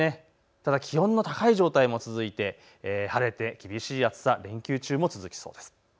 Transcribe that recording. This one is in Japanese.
ただ気温の高い状態も続いて晴れて厳しい暑さ連休中も続きそうです。